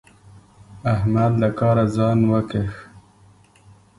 احمد له کاره ځان وکيښ.